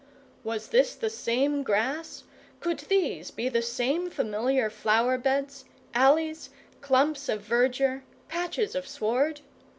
Was this the same grass, could these be the same familiar flower beds, alleys, clumps of verdure, patches of sward?